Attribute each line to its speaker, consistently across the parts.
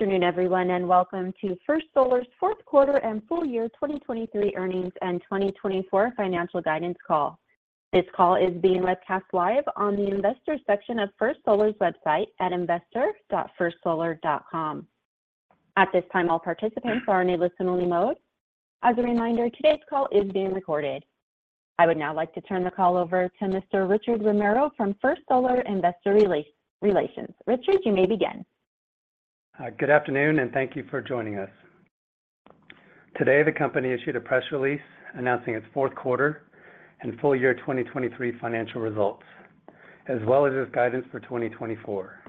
Speaker 1: Good afternoon, everyone, and welcome to First Solar's Q4 and full year 2023 earnings and 2024 financial guidance call. This call is being broadcast live on the investor section of First Solar's website at investor.firstsolar.com. At this time, all participants are in a listen-only mode. As a reminder, today's call is being recorded. I would now like to turn the call over to Mr. Richard Romero from First Solar Investor Relations. Richard, you may begin.
Speaker 2: Good afternoon, and thank you for joining us. Today, the company issued a press release announcing its Q4 and full year 2023 financial results, as well as its guidance for 2024.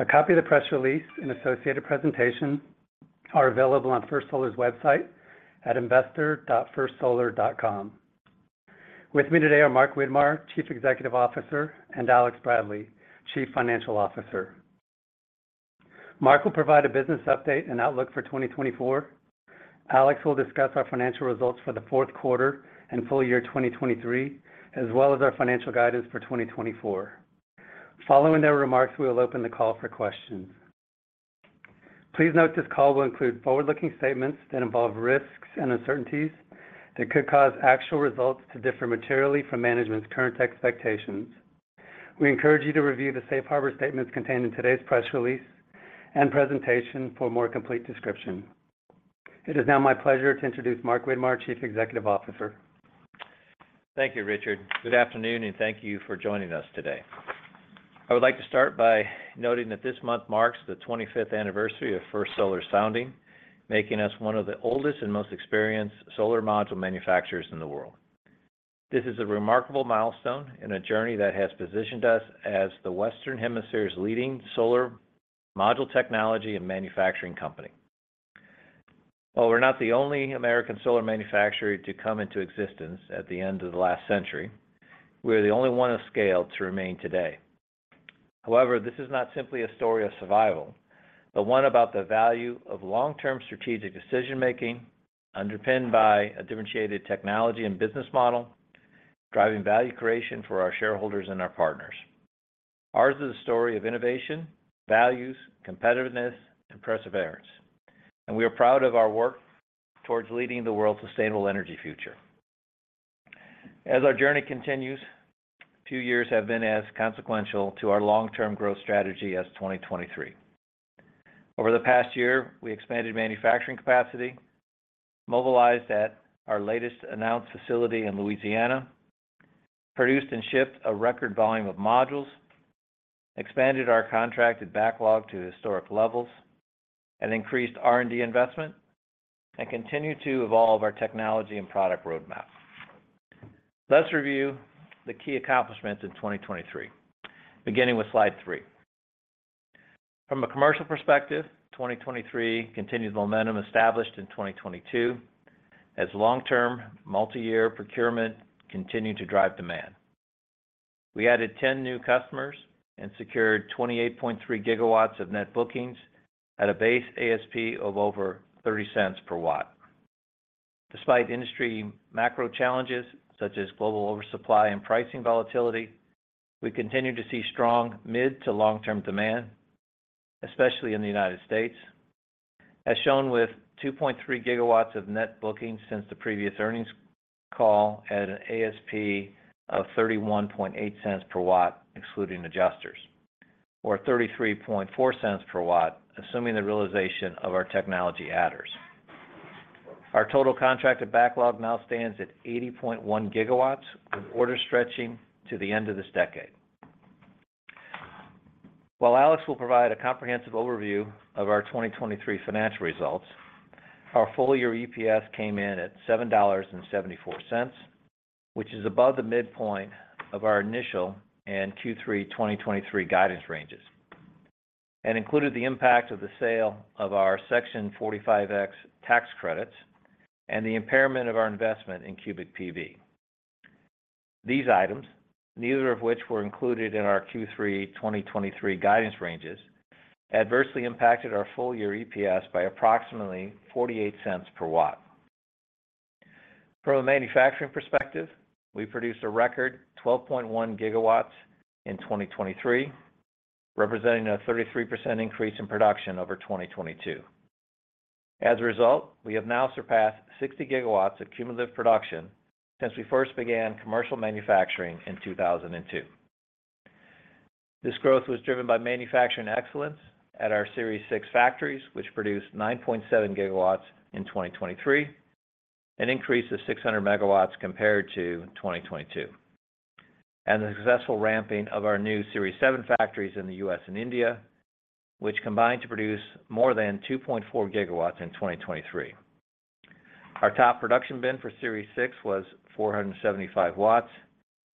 Speaker 2: A copy of the press release and associated presentation are available on First Solar's website at investor.firstsolar.com. With me today are Mark Widmar, Chief Executive Officer, and Alex Bradley, Chief Financial Officer. Mark will provide a business update and outlook for 2024. Alex will discuss our financial results for the Q4 and full year 2023, as well as our financial guidance for 2024. Following their remarks, we will open the call for questions. Please note this call will include forward-looking statements that involve risks and uncertainties that could cause actual results to differ materially from management's current expectations. We encourage you to review the safe harbor statements contained in today's press release and presentation for a more complete description. It is now my pleasure to introduce Mark Widmar, Chief Executive Officer.
Speaker 3: Thank you, Richard. Good afternoon, and thank you for joining us today. I would like to start by noting that this month marks the 25th anniversary of First Solar's founding, making us one of the oldest and most experienced solar module manufacturers in the world. This is a remarkable milestone in a journey that has positioned us as the Western Hemisphere's leading solar module technology and manufacturing company. While we're not the only American solar manufacturer to come into existence at the end of the last century, we are the only one of scale to remain today. However, this is not simply a story of survival, but one about the value of long-term strategic decision-making underpinned by a differentiated technology and business model driving value creation for our shareholders and our partners. Ours is a story of innovation, values, competitiveness, and perseverance, and we are proud of our work towards leading the world's sustainable energy future. As our journey continues, a few years have been as consequential to our long-term growth strategy as 2023. Over the past year, we expanded manufacturing capacity, mobilized at our latest announced facility in Louisiana, produced and shipped a record volume of modules, expanded our contracted backlog to historic levels, and increased R&D investment, and continue to evolve our technology and product roadmap. Let's review the key accomplishments in 2023, beginning with slide 3. From a commercial perspective, 2023 continued momentum established in 2022 as long-term multi-year procurement continued to drive demand. We added 10 new customers and secured 28.3 GW of net bookings at a base ASP of over $0.30 per watt. Despite industry macro challenges such as global oversupply and pricing volatility, we continue to see strong mid- to long-term demand, especially in the United States, as shown with 2.3 GW of net bookings since the previous earnings call at an ASP of $0.318 per watt excluding adjusters, or $0.334 per watt assuming the realization of our technology adders. Our total contracted backlog now stands at 80.1 GW with orders stretching to the end of this decade. While Alex will provide a comprehensive overview of our 2023 financial results, our full-year EPS came in at $7.74, which is above the midpoint of our initial and Q3 2023 guidance ranges, and included the impact of the sale of our Section 45X tax credits and the impairment of our investment in CubicPV. These items, neither of which were included in our Q3 2023 guidance ranges, adversely impacted our full-year EPS by approximately $0.48 per watt. From a manufacturing perspective, we produced a record 12.1 GW in 2023, representing a 33% increase in production over 2022. As a result, we have now surpassed 60 GW of cumulative production since we first began commercial manufacturing in 2002. This growth was driven by manufacturing excellence at our Series 6 factories, which produced 9.7 GW in 2023, an increase of 600 megawatts compared to 2022, and the successful ramping of our new Series 7 factories in the U.S. and India, which combined to produce more than 2.4 GW in 2023. Our top production bin for Series 6 was 475 watts,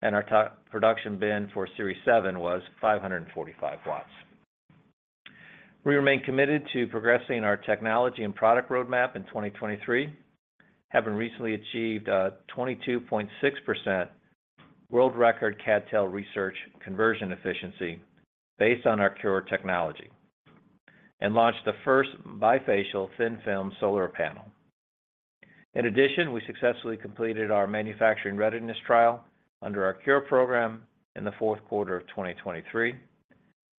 Speaker 3: and our top production bin for Series 7 was 545 watts. We remain committed to progressing our technology and product roadmap in 2023, having recently achieved a 22.6% world-record CdTe research conversion efficiency based on our CuRe technology, and launched the first bifacial thin-film solar panel. In addition, we successfully completed our manufacturing readiness trial under our CuRe program in the Q4 of 2023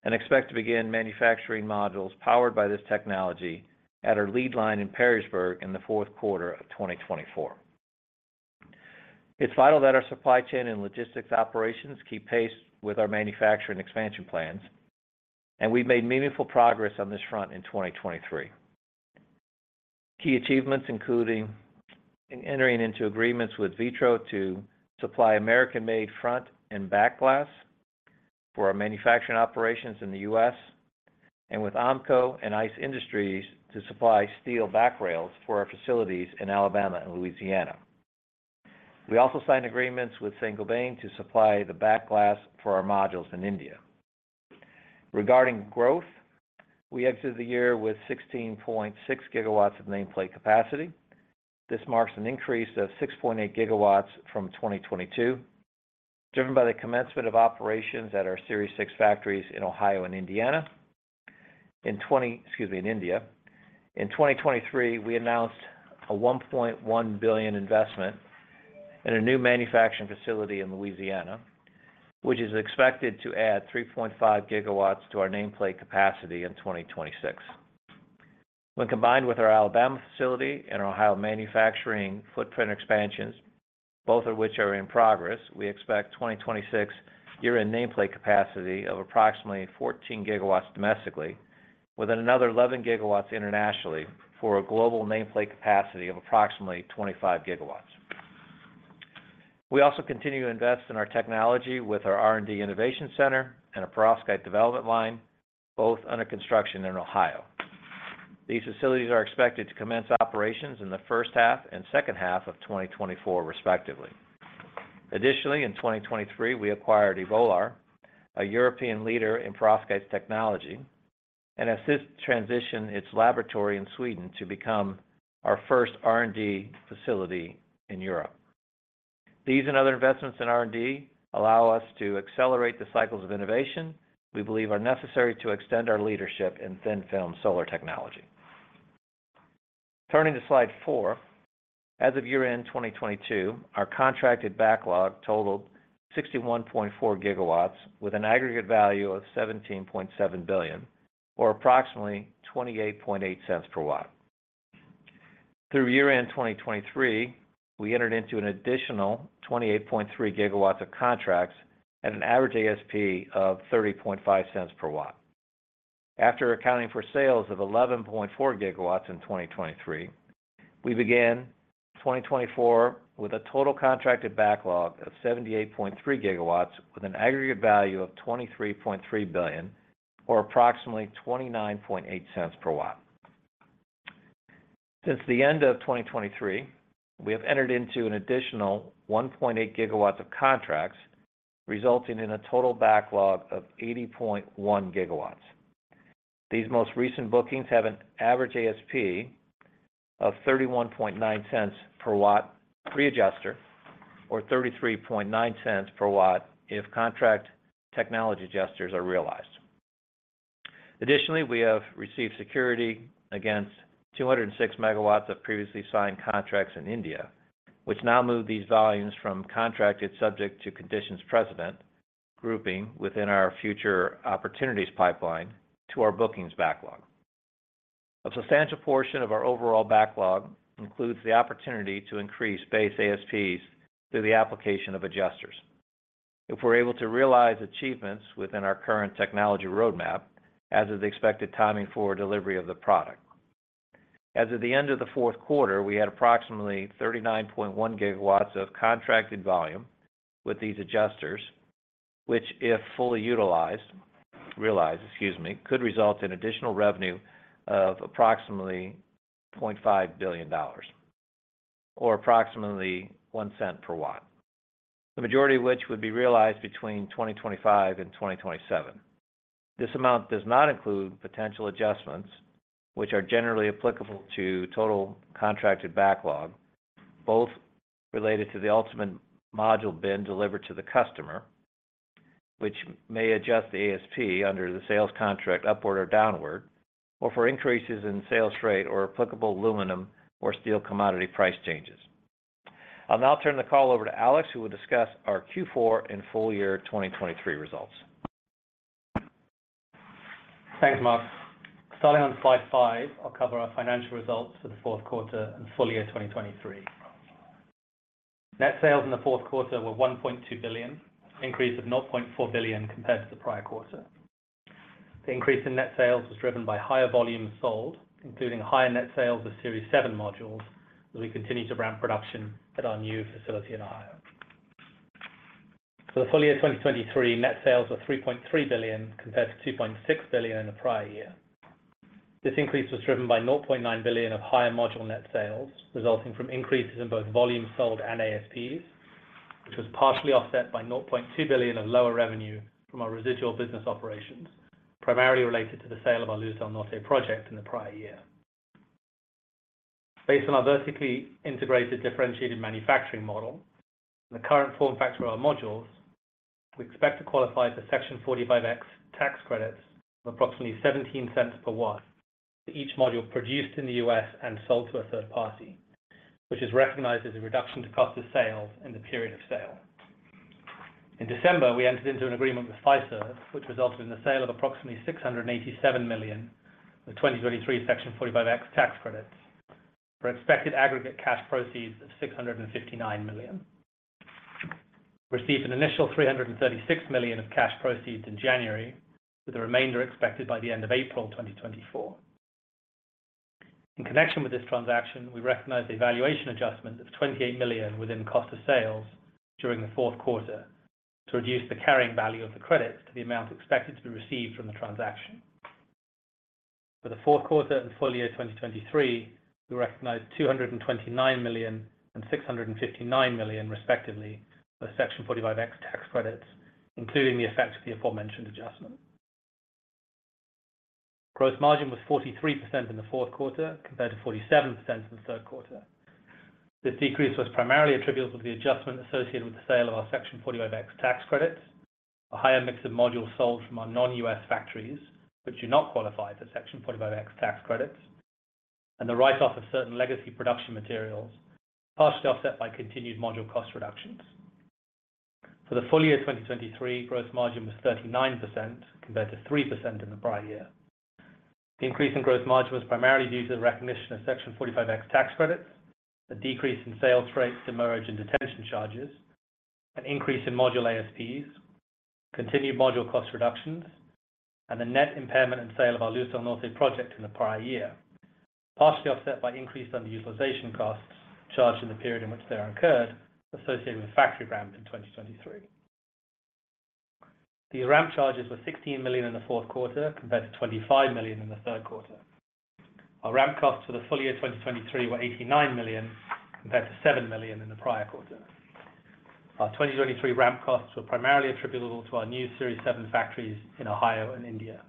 Speaker 3: and expect to begin manufacturing modules powered by this technology at our lead line in Perrysburg in the Q4 of 2024. It's vital that our supply chain and logistics operations keep pace with our manufacturing expansion plans, and we've made meaningful progress on this front in 2023. Key achievements include entering into agreements with Vitro to supply American-made front and back glass for our manufacturing operations in the U.S., and with OMCO and ICE Industries to supply steel back rails for our facilities in Alabama and Louisiana. We also signed agreements with Saint-Gobain to supply the back glass for our modules in India. Regarding growth, we exited the year with 16.6 GW of nameplate capacity. This marks an increase of 6.8 GW from 2022, driven by the commencement of operations at our Series 6 factories in Ohio and Indiana. In 2023, we announced a $1.1 billion investment in a new manufacturing facility in Louisiana, which is expected to add 3.5 GW to our nameplate capacity in 2026. When combined with our Alabama facility and our Ohio manufacturing footprint expansions, both of which are in progress, we expect 2026 year-end nameplate capacity of approximately 14 GW domestically, with another 11 GW internationally for a global nameplate capacity of approximately 25 GW. We also continue to invest in our technology with our R&D Innovation Center and a perovskite development line, both under construction in Ohio. These facilities are expected to commence operations in the first half and second half of 2024, respectively. Additionally, in 2023, we acquired Evolar, a European leader in perovskite technology, and are assisting to transition its laboratory in Sweden to become our first R&D facility in Europe. These and other investments in R&D allow us to accelerate the cycles of innovation we believe are necessary to extend our leadership in thin-film solar technology. Turning to slide four, as of year-end 2022, our contracted backlog totaled 61.4 GW, with an aggregate value of $17.7 billion, or approximately $0.288 per watt. Through year-end 2023, we entered into an additional 28.3 GW of contracts at an average ASP of $0.305 per watt. After accounting for sales of 11.4 GW in 2023, we began 2024 with a total contracted backlog of 78.3 GW, with an aggregate value of $23.3 billion, or approximately $0.298 per watt. Since the end of 2023, we have entered into an additional 1.8 GW of contracts, resulting in a total backlog of 80.1 GW. These most recent bookings have an average ASP of $0.319 per watt pre-adjuster, or $0.339 per watt if contract technology adjusters are realized. Additionally, we have received security against 206 megawatts of previously signed contracts in India, which now move these volumes from contracted subject to conditions precedent grouping within our future opportunities pipeline to our bookings backlog. A substantial portion of our overall backlog includes the opportunity to increase base ASPs through the application of adjusters, if we're able to realize achievements within our current technology roadmap as of the expected timing for delivery of the product. As of the end of the Q4, we had approximately 39.1 GW of contracted volume with these adjusters, which, if fully utilized realized, excuse me, could result in additional revenue of approximately $0.5 billion, or approximately $0.01 per watt, the majority of which would be realized between 2025 and 2027. This amount does not include potential adjustments, which are generally applicable to total contracted backlog, both related to the ultimate module bin delivered to the customer, which may adjust the ASP under the sales contract upward or downward, or for increases in sales rate or applicable aluminum or steel commodity price changes. I'll now turn the call over to Alex, who will discuss our Q4 and full-year 2023 results.
Speaker 4: Thanks, Mark. Starting on slide five, I'll cover our financial results for the Q4 and full year 2023. Net sales in the Q4 were $1.2 billion, increase of $0.4 billion compared to the prior quarter. The increase in net sales was driven by higher volume sold, including higher net sales of Series 7 modules as we continue to ramp production at our new facility in Ohio. For the full year 2023, net sales were $3.3 billion compared to $2.6 billion in the prior year. This increase was driven by $0.9 billion of higher module net sales, resulting from increases in both volume sold and ASPs, which was partially offset by $0.2 billion of lower revenue from our residual business operations, primarily related to the sale of our Luzdal Norte project in the prior year. Based on our vertically integrated differentiated manufacturing model and the current form factor of our modules, we expect to qualify for Section 45X tax credits of approximately $0.17 per watt for each module produced in the U.S. and sold to a third party, which is recognized as a reduction to cost of sales in the period of sale. In December, we entered into an agreement with Fiserv, which resulted in the sale of approximately $687 million of 2023 Section 45X tax credits for expected aggregate cash proceeds of $659 million. We received an initial $336 million of cash proceeds in January, with the remainder expected by the end of April 2024. In connection with this transaction, we recognized a valuation adjustment of $28 million within cost of sales during the Q4 to reduce the carrying value of the credits to the amount expected to be received from the transaction. For the Q4 and full year 2023, we recognized $229 million and $659 million, respectively, for Section 45X tax credits, including the effects of the aforementioned adjustment. Gross margin was 43% in the Q4 compared to 47% in the Q3. This decrease was primarily attributable to the adjustment associated with the sale of our Section 45X tax credits, a higher mix of modules sold from our non-U.S. factories, which do not qualify for Section 45X tax credits, and the write-off of certain legacy production materials, partially offset by continued module cost reductions. For the full year 2023, gross margin was 39% compared to 3% in the prior year. The increase in gross margin was primarily due to the recognition of Section 45X tax credits, a decrease in sales returns and warranty charges, an increase in module ASPs, continued module cost reductions, and the net impairment and sale of our Luz del Norte project in the prior year, partially offset by increased underutilization costs charged in the period in which they incurred associated with factory ramp in 2023. These ramp charges were $16 million in the Q4 compared to $25 million in the Q3. Our ramp costs for the full year 2023 were $89 million compared to $7 million in the prior year. Our 2023 ramp costs were primarily attributable to our new Series 7 factories in Ohio and India.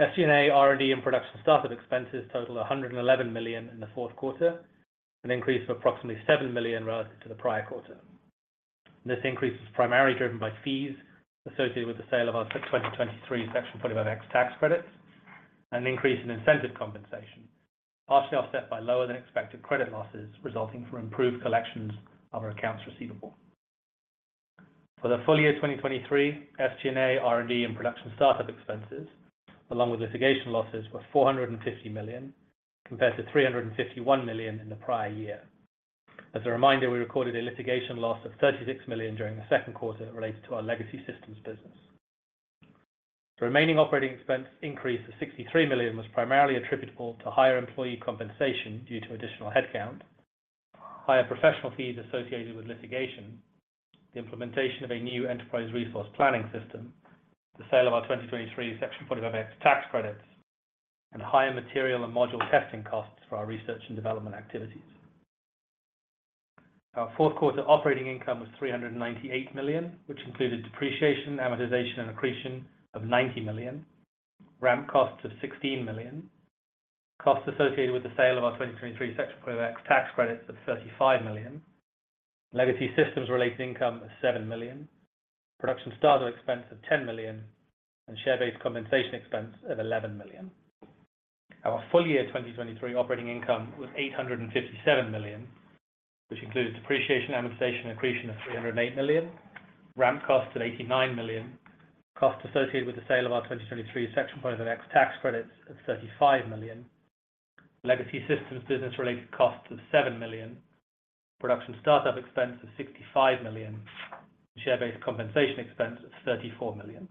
Speaker 4: SG&A R&D and production startup expenses totaled $111 million in the Q4, an increase of approximately $7 million relative to the prior quarter. This increase was primarily driven by fees associated with the sale of our 2023 Section 45X tax credits and an increase in incentive compensation, partially offset by lower than expected credit losses resulting from improved collections of our accounts receivable. For the full year 2023, SG&A R&D and production startup expenses, along with litigation losses, were $450 million compared to $351 million in the prior year. As a reminder, we recorded a litigation loss of $36 million during the Q2 related to our legacy systems business. The remaining operating expense increase of $63 million was primarily attributable to higher employee compensation due to additional headcount, higher professional fees associated with litigation, the implementation of a new enterprise resource planning system, the sale of our 2023 Section 45X tax credits, and higher material and module testing costs for our research and development activities. Our Q4 operating income was $398 million, which included depreciation, amortization, and accretion of $90 million, ramp costs of $16 million, costs associated with the sale of our 2023 Section 45X tax credits of $35 million, legacy systems related income of $7 million, production startup expense of $10 million, and share-based compensation expense of $11 million. Our full year 2023 operating income was $857 million, which included depreciation, amortization, and accretion of $308 million, ramp costs of $89 million, costs associated with the sale of our 2023 Section 45X tax credits of $35 million, legacy systems business related costs of $7 million, production startup expense of $65 million, and share-based compensation expense of $34 million.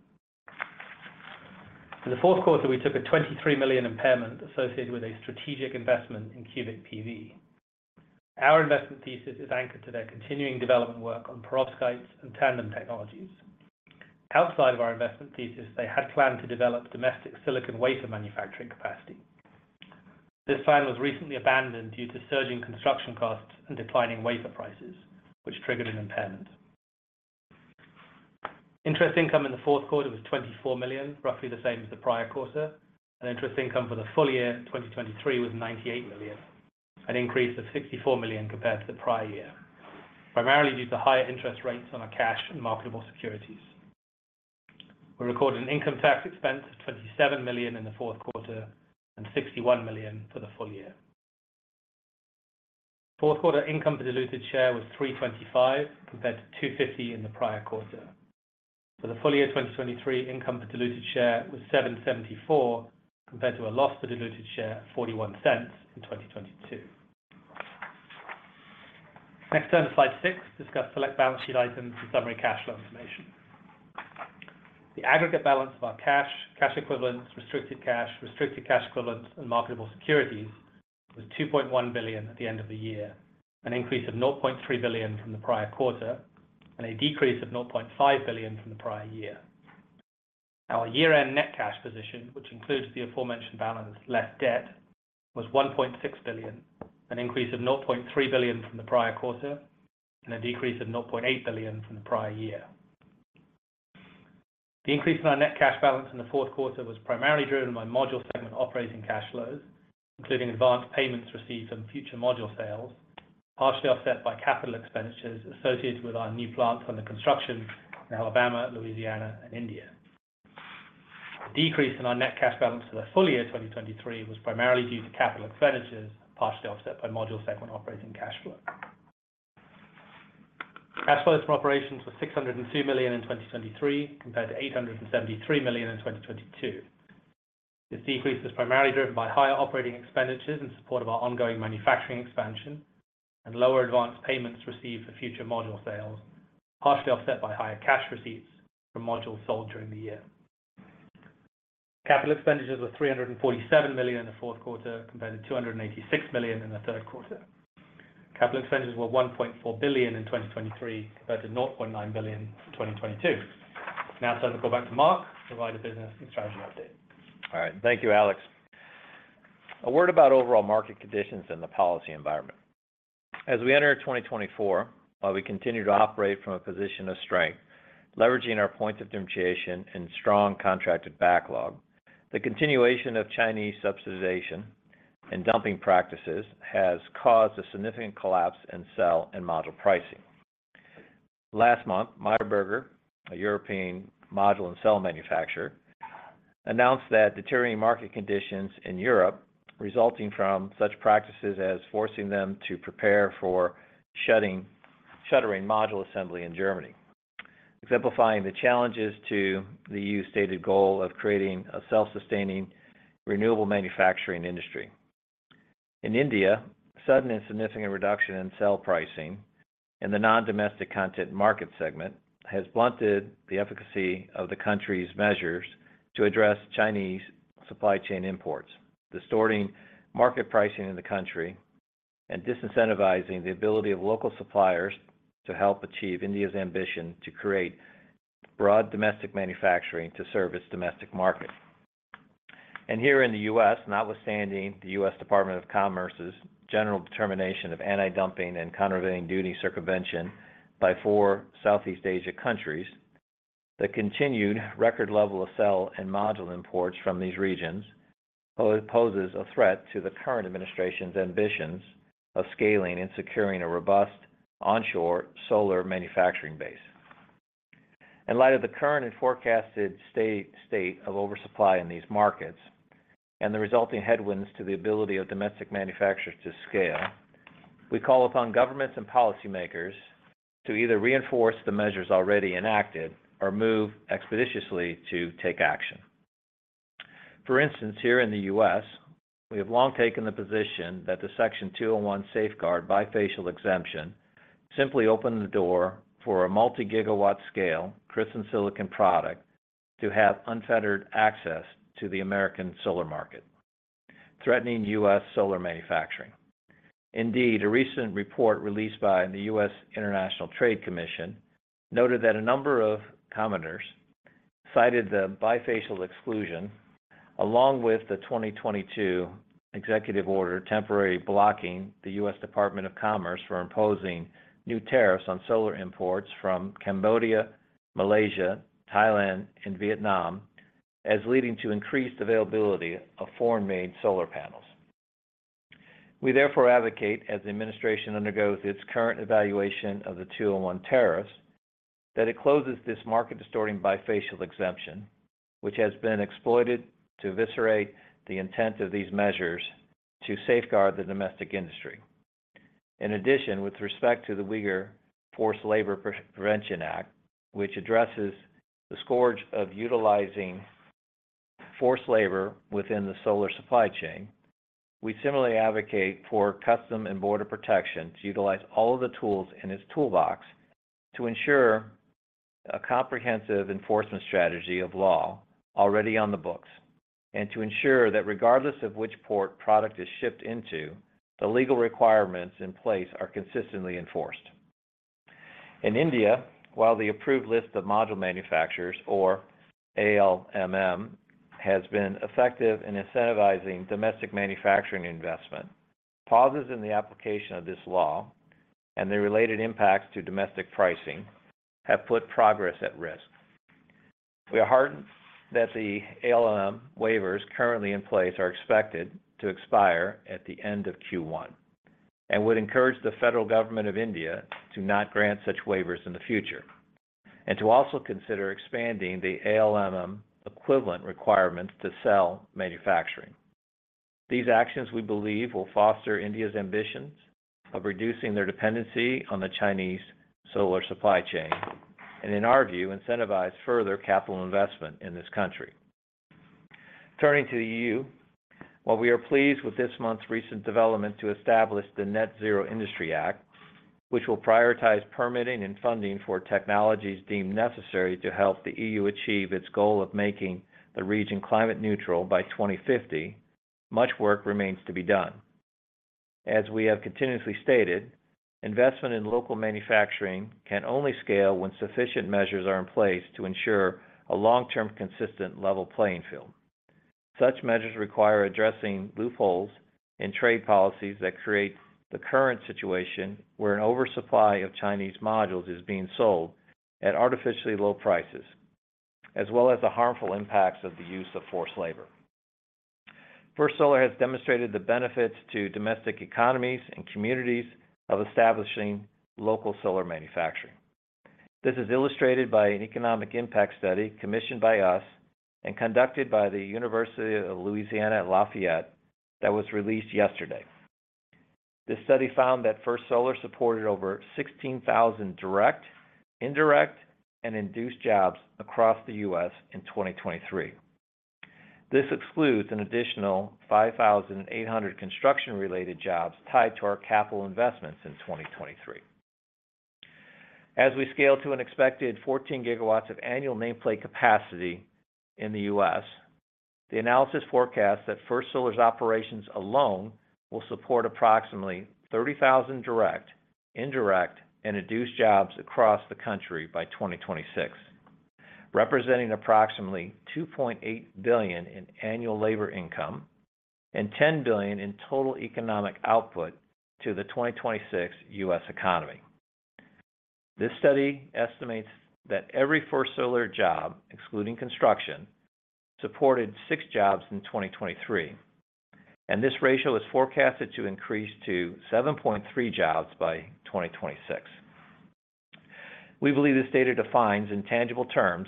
Speaker 4: In the Q4, we took a $23 million impairment associated with a strategic investment in CubicPV. Our investment thesis is anchored to their continuing development work on perovskites and tandem technologies. Outside of our investment thesis, they had planned to develop domestic silicon wafer manufacturing capacity. This plan was recently abandoned due to surging construction costs and declining wafer prices, which triggered an impairment. Interest income in the Q4 was $24 million, roughly the same as the prior quarter. Interest income for the full year 2023 was $98 million, an increase of $64 million compared to the prior year, primarily due to higher interest rates on our cash and marketable securities. We recorded an income tax expense of $27 million in the Q4 and $61 million for the full year. Q4 income per diluted share was $325 compared to $250 in the prior quarter. For the full year 2023, income per diluted share was $774 compared to a loss per diluted share of $0.41 in 2022. Next, turn to slide 6, discuss select balance sheet items and summary cash flow information. The aggregate balance of our cash, cash equivalents, restricted cash, restricted cash equivalents, and marketable securities was $2.1 billion at the end of the year, an increase of $0.3 billion from the prior quarter and a decrease of $0.5 billion from the prior year. Our year-end net cash position, which includes the aforementioned balance less debt, was $1.6 billion, an increase of $0.3 billion from the prior quarter and a decrease of $0.8 billion from the prior year. The increase in our net cash balance in the Q4 was primarily driven by module segment operating cash flows, including advanced payments received from future module sales, partially offset by capital expenditures associated with our new plants under construction in Alabama, Louisiana, and India. The decrease in our net cash balance for the full year 2023 was primarily due to capital expenditures, partially offset by module segment operating cash flow. Cash flows from operations were $602 million in 2023 compared to $873 million in 2022. This decrease was primarily driven by higher operating expenditures in support of our ongoing manufacturing expansion and lower advance payments received for future module sales, partially offset by higher cash receipts from modules sold during the year. Capital expenditures were $347 million in the Q4 compared to $286 million in the Q3. Capital expenditures were $1.4 billion in 2023 compared to $0.19 billion in 2022. Now, turn the call back to Mark to provide a business and strategy update.
Speaker 3: All right. Thank you, Alex. A word about overall market conditions and the policy environment. As we enter 2024, while we continue to operate from a position of strength, leveraging our points of differentiation and strong contracted backlog, the continuation of Chinese subsidization and dumping practices has caused a significant collapse in cell and module pricing. Last month, Meyer Burger, a European module and cell manufacturer, announced that deteriorating market conditions in Europe resulting from such practices as forcing them to prepare for shuttering module assembly in Germany, exemplifying the challenges to the EU's stated goal of creating a self-sustaining renewable manufacturing industry. In India, sudden and significant reduction in cell pricing in the non-domestic content market segment has blunted the efficacy of the country's measures to address Chinese supply chain imports, distorting market pricing in the country and disincentivizing the ability of local suppliers to help achieve India's ambition to create broad domestic manufacturing to serve its domestic market. Here in the U.S., notwithstanding the U.S. Department of Commerce's general determination of anti-dumping and countervailing duty circumvention by four Southeast Asia countries, the continued record level of cell and module imports from these regions poses a threat to the current administration's ambitions of scaling and securing a robust onshore solar manufacturing base. In light of the current and forecasted state of oversupply in these markets and the resulting headwinds to the ability of domestic manufacturers to scale, we call upon governments and policymakers to either reinforce the measures already enacted or move expeditiously to take action. For instance, here in the U.S., we have long taken the position that the Section 201 safeguard bifacial exemption simply opened the door for a multi-gigawatt scale crystalline silicon product to have unfettered access to the American solar market, threatening U.S. solar manufacturing. Indeed, a recent report released by the U.S. International Trade Commission noted that a number of commenters cited the bifacial exclusion along with the 2022 executive order temporarily blocking the U.S. Department of Commerce from imposing new tariffs on solar imports from Cambodia, Malaysia, Thailand, and Vietnam as leading to increased availability of foreign-made solar panels. We therefore advocate, as the administration undergoes its current evaluation of the 201 tariffs, that it closes this market-distorting bifacial exemption, which has been exploited to eviscerate the intent of these measures to safeguard the domestic industry. In addition, with respect to the Uyghur Forced Labor Prevention Act, which addresses the scourge of utilizing forced labor within the solar supply chain, we similarly advocate for Customs and Border Protection to utilize all of the tools in its toolbox to ensure a comprehensive enforcement strategy of law already on the books and to ensure that regardless of which port product is shipped into, the legal requirements in place are consistently enforced. In India, while the Approved List of Module Manufacturers, or ALMM, has been effective in incentivizing domestic manufacturing investment, pauses in the application of this law and the related impacts to domestic pricing have put progress at risk. We are heartened that the ALMM waivers currently in place are expected to expire at the end of Q1 and would encourage the federal government of India to not grant such waivers in the future and to also consider expanding the ALMM equivalent requirements to cell manufacturing. These actions, we believe, will foster India's ambitions of reducing their dependency on the Chinese solar supply chain and, in our view, incentivize further capital investment in this country. Turning to the EU, while we are pleased with this month's recent development to establish the Net Zero Industry Act, which will prioritize permitting and funding for technologies deemed necessary to help the EU achieve its goal of making the region climate neutral by 2050, much work remains to be done. As we have continuously stated, investment in local manufacturing can only scale when sufficient measures are in place to ensure a long-term consistent level playing field. Such measures require addressing loopholes in trade policies that create the current situation where an oversupply of Chinese modules is being sold at artificially low prices, as well as the harmful impacts of the use of forced labor. First Solar has demonstrated the benefits to domestic economies and communities of establishing local solar manufacturing. This is illustrated by an economic impact study commissioned by us and conducted by the University of Louisiana at Lafayette that was released yesterday. This study found that First Solar supported over 16,000 direct, indirect, and induced jobs across the U.S. in 2023. This excludes an additional 5,800 construction-related jobs tied to our capital investments in 2023. As we scale to an expected 14 GW of annual nameplate capacity in the U.S., the analysis forecasts that First Solar's operations alone will support approximately 30,000 direct, indirect, and induced jobs across the country by 2026, representing approximately $2.8 billion in annual labor income and $10 billion in total economic output to the 2026 U.S. economy. This study estimates that every First Solar job, excluding construction, supported six jobs in 2023, and this ratio is forecasted to increase to 7.3 jobs by 2026. We believe this data defines in tangible terms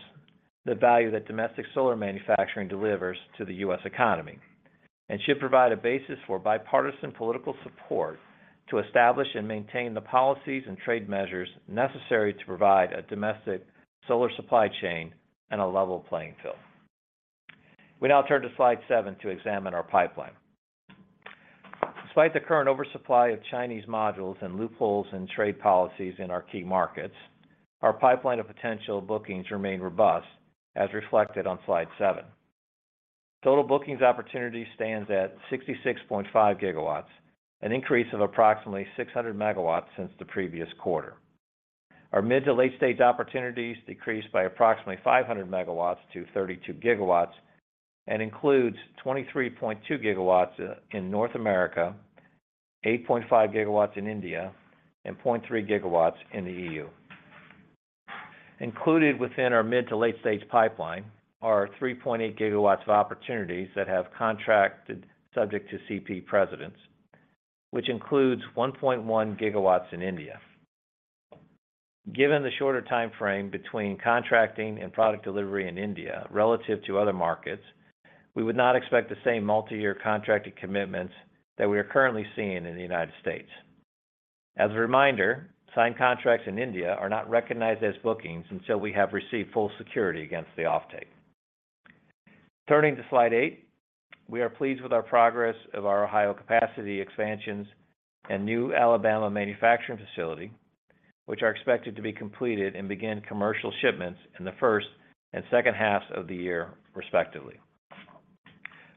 Speaker 3: the value that domestic solar manufacturing delivers to the U.S. economy and should provide a basis for bipartisan political support to establish and maintain the policies and trade measures necessary to provide a domestic solar supply chain and a level playing field. We now turn to slide seven to examine our pipeline. Despite the current oversupply of Chinese modules and loopholes in trade policies in our key markets, our pipeline of potential bookings remain robust, as reflected on slide 7. Total bookings opportunity stands at 66.5 GW, an increase of approximately 600 megawatts since the previous quarter. Our mid to late stage opportunities decreased by approximately 500 megawatts to 32 GW and includes 23.2 GW in North America, 8.5 GW in India, and 0.3 GW in the EU. Included within our mid to late stage pipeline are 3.8 GW of opportunities that have contracted subject to CP precedence, which includes 1.1 GW in India. Given the shorter time frame between contracting and product delivery in India relative to other markets, we would not expect the same multi-year contracted commitments that we are currently seeing in the United States. As a reminder, signed contracts in India are not recognized as bookings until we have received full security against the offtake. Turning to Slide 8, we are pleased with our progress of our Ohio capacity expansions and new Alabama manufacturing facility, which are expected to be completed and begin commercial shipments in the first and second halves of the year, respectively.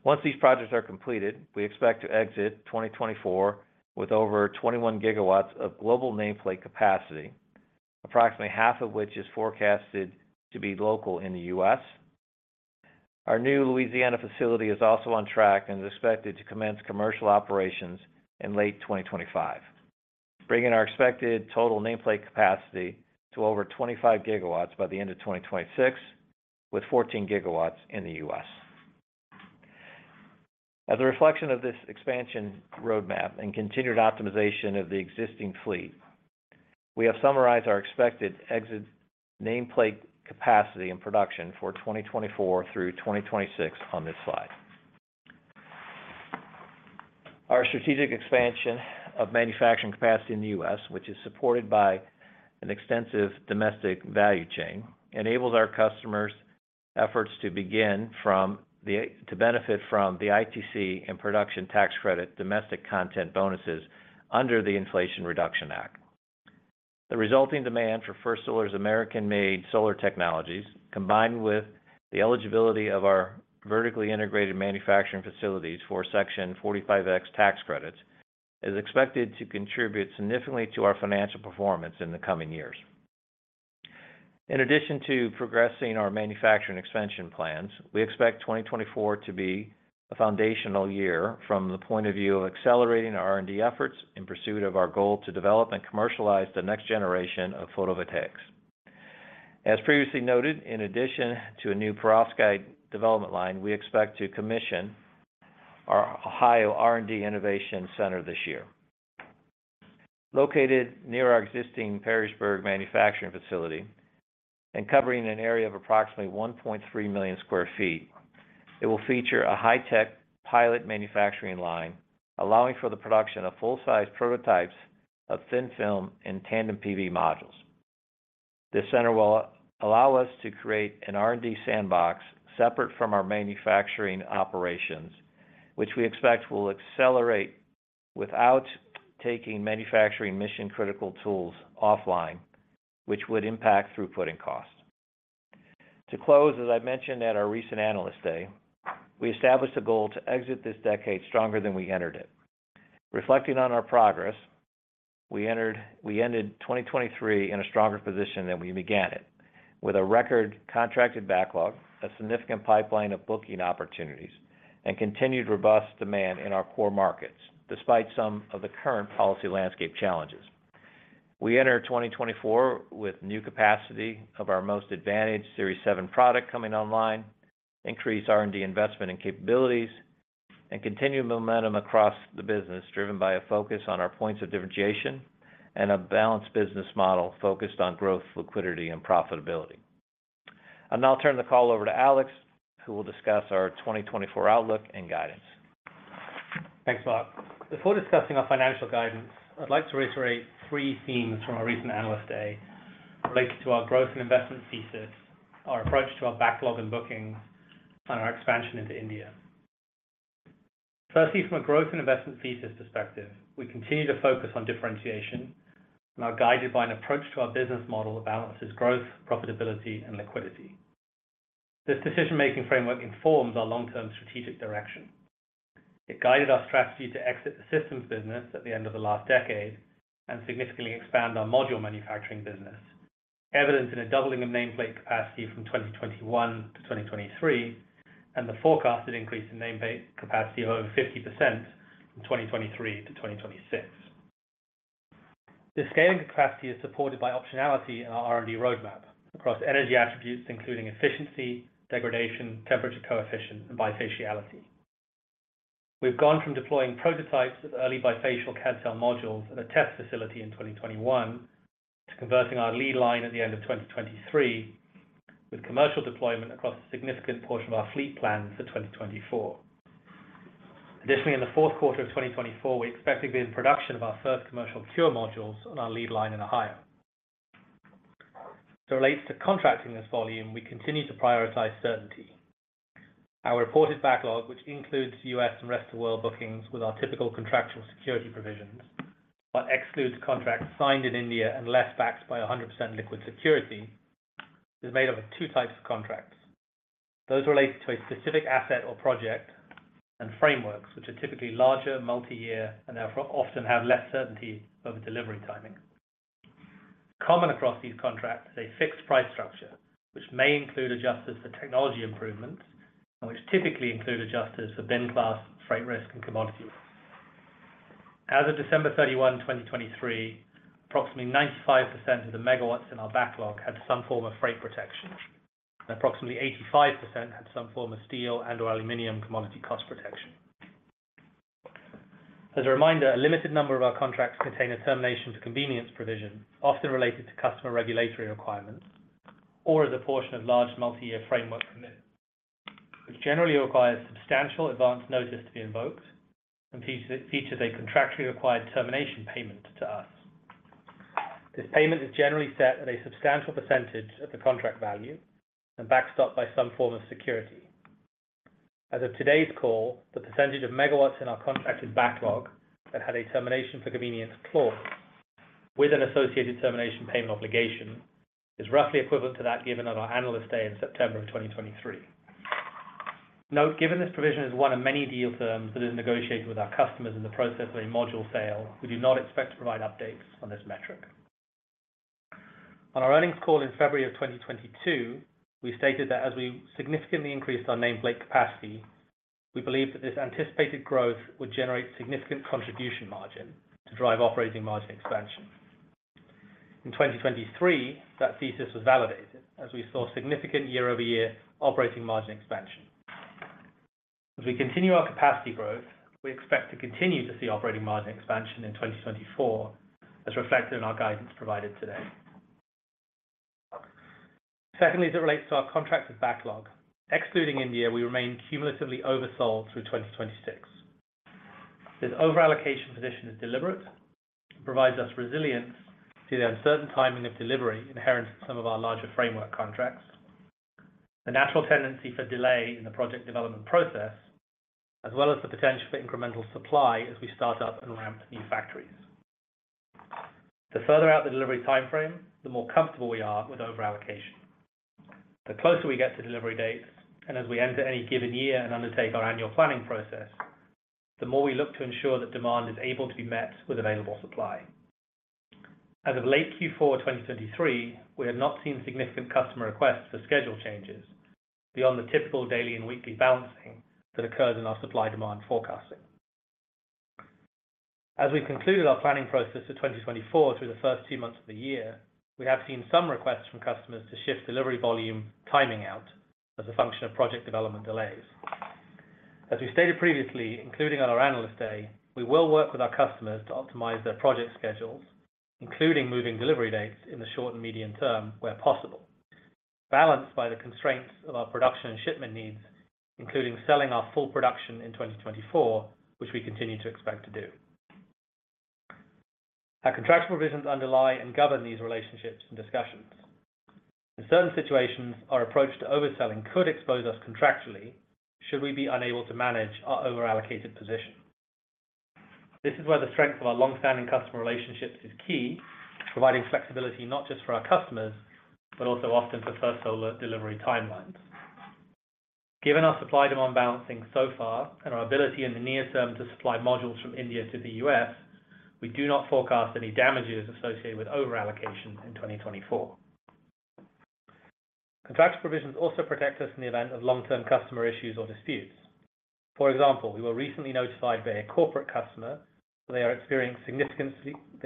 Speaker 3: Once these projects are completed, we expect to exit 2024 with over 21 GW of global nameplate capacity, approximately half of which is forecasted to be local in the U.S. Our new Louisiana facility is also on track and is expected to commence commercial operations in late 2025, bringing our expected total nameplate capacity to over 25 GW by the end of 2026, with 14 GW in the U.S. As a reflection of this expansion roadmap and continued optimization of the existing fleet, we have summarized our expected exit nameplate capacity and production for 2024 through 2026 on this slide. Our strategic expansion of manufacturing capacity in the U.S., which is supported by an extensive domestic value chain, enables our customers' efforts to begin to benefit from the ITC and production tax credit domestic content bonuses under the Inflation Reduction Act. The resulting demand for First Solar's American-made solar technologies, combined with the eligibility of our vertically integrated manufacturing facilities for Section 45X tax credits, is expected to contribute significantly to our financial performance in the coming years. In addition to progressing our manufacturing expansion plans, we expect 2024 to be a foundational year from the point of view of accelerating our R&D efforts in pursuit of our goal to develop and commercialize the next generation of photovoltaics. As previously noted, in addition to a new perovskite development line, we expect to commission our Ohio R&D Innovation Center this year. Located near our existing Perrysburg manufacturing facility and covering an area of approximately 1.3 million sq ft, it will feature a high-tech pilot manufacturing line, allowing for the production of full-size prototypes of thin-film and tandem PV modules. This center will allow us to create an R&D sandbox separate from our manufacturing operations, which we expect will accelerate without taking manufacturing mission-critical tools offline, which would impact throughput and cost. To close, as I mentioned at our recent analyst day, we established a goal to exit this decade stronger than we entered it. Reflecting on our progress, we ended 2023 in a stronger position than we began it, with a record contracted backlog, a significant pipeline of booking opportunities, and continued robust demand in our core markets, despite some of the current policy landscape challenges. We enter 2024 with new capacity of our most advantaged Series 7 product coming online, increased R&D investment and capabilities, and continued momentum across the business driven by a focus on our points of differentiation and a balanced business model focused on growth, liquidity, and profitability. I'll now turn the call over to Alex, who will discuss our 2024 outlook and guidance.
Speaker 4: Thanks, Mark. Before discussing our financial guidance, I'd like to reiterate three themes from our recent analyst day related to our growth and investment thesis, our approach to our backlog and bookings, and our expansion into India. Firstly, from a growth and investment thesis perspective, we continue to focus on differentiation and are guided by an approach to our business model that balances growth, profitability, and liquidity. This decision-making framework informs our long-term strategic direction. It guided our strategy to exit the systems business at the end of the last decade and significantly expand our module manufacturing business, evidenced in a doubling of nameplate capacity from 2021 to 2023 and the forecasted increase in nameplate capacity of over 50% from 2023 to 2026. This scaling capacity is supported by optionality in our R&D roadmap across energy attributes, including efficiency, degradation, temperature coefficient, and bifaciality. We've gone from deploying prototypes of early bifacial CdTe cell modules at a test facility in 2021 to converting our lead line at the end of 2023 with commercial deployment across a significant portion of our fleet plans for 2024. Additionally, in the Q4 of 2024, we expect to begin production of our first commercial CuRe modules on our lead line in Ohio. As it relates to contracting this volume, we continue to prioritize certainty. Our reported backlog, which includes U.S. and rest of the world bookings with our typical contractual security provisions but excludes contracts signed in India and less backed by 100% liquid security, is made up of two types of contracts. Those relate to a specific asset or project and frameworks, which are typically larger, multi-year, and therefore often have less certainty over delivery timing. Common across these contracts is a fixed price structure, which may include adjusters for technology improvements and which typically include adjusters for bin class, freight risk, and commodity risk. As of December 31, 2023, approximately 95% of the megawatts in our backlog had some form of freight protection, and approximately 85% had some form of steel and/or aluminum commodity cost protection. As a reminder, a limited number of our contracts contain a termination for convenience provision, often related to customer regulatory requirements or as a portion of large multi-year framework commitments, which generally requires substantial advance notice to be invoked and features a contractually-required termination payment to us. This payment is generally set at a substantial percentage of the contract value and backstopped by some form of security. As of today's call, the percentage of megawatts in our contracted backlog that had a termination for convenience clause with an associated termination payment obligation is roughly equivalent to that given on our analyst day in September of 2023. Note, given this provision is one of many deal terms that is negotiated with our customers in the process of a module sale, we do not expect to provide updates on this metric. On our earnings call in February of 2022, we stated that as we significantly increased our nameplate capacity, we believed that this anticipated growth would generate significant contribution margin to drive operating margin expansion. In 2023, that thesis was validated as we saw significant year-over-year operating margin expansion. As we continue our capacity growth, we expect to continue to see operating margin expansion in 2024, as reflected in our guidance provided today. Secondly, as it relates to our contracted backlog, excluding India, we remain cumulatively oversold through 2026. This overallocation position is deliberate and provides us resilience to the uncertain timing of delivery inherent in some of our larger framework contracts, the natural tendency for delay in the project development process, as well as the potential for incremental supply as we start up and ramp new factories. The further out the delivery time frame, the more comfortable we are with overallocation. The closer we get to delivery dates and as we enter any given year and undertake our annual planning process, the more we look to ensure that demand is able to be met with available supply. As of late Q4 2023, we have not seen significant customer requests for schedule changes beyond the typical daily and weekly balancing that occurs in our supply-demand forecasting. As we've concluded our planning process for 2024 through the first two months of the year, we have seen some requests from customers to shift delivery volume timing out as a function of project development delays. As we stated previously, including on our analyst day, we will work with our customers to optimize their project schedules, including moving delivery dates in the short and medium term where possible, balanced by the constraints of our production and shipment needs, including selling our full production in 2024, which we continue to expect to do. Our contractual provisions underlie and govern these relationships and discussions. In certain situations, our approach to overselling could expose us contractually should we be unable to manage our overallocated position. This is where the strength of our longstanding customer relationships is key, providing flexibility not just for our customers but also often for First Solar delivery timelines. Given our supply-demand balancing so far and our ability in the near term to supply modules from India to the U.S., we do not forecast any damages associated with overallocation in 2024. Contractual provisions also protect us in the event of long-term customer issues or disputes. For example, we were recently notified by a corporate customer that they are